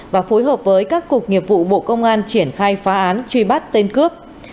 và phối hợp với các cục nghiệp vụ bộ công an triển khai phá án truy bắt tên cướp